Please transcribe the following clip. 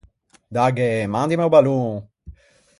Dagghe, mandime o ballon!